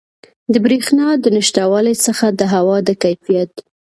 د بریښنا د نشتوالي څخه د هوا د کیفیت